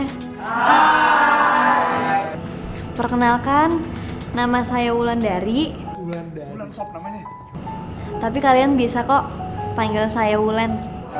hai perkenalkan nama saya ulan dari tapi kalian bisa kok panggil saya ulan